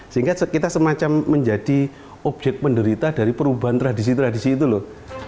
sehingga kita semacam menjadi objek penderita dari perubahan tradisi tradisi itu loh